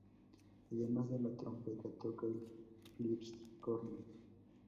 Además de la trompeta toca el fliscorno.